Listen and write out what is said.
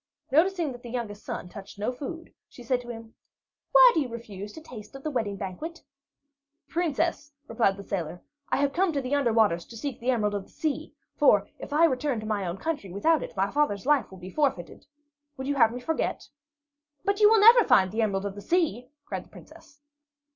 Noticing that the youngest son touched no food, she said to him: "Why do you refuse to taste of the wedding banquet?" "Princess," replied the sailor, "I have come to the Under Waters to seek the Emerald of the Sea; for if I return to my own country without it, my father's life will be forfeited. Would you have me forget?" "But you will never find the Emerald of the Sea!" cried the Princess.